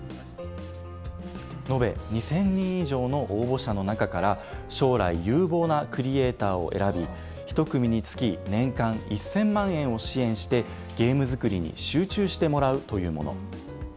延べ２０００人以上の応募者の中から、将来有望なクリエーターを選び、１組につき年間１０００万円を支援して、ゲーム作りに集中してもらうというもの。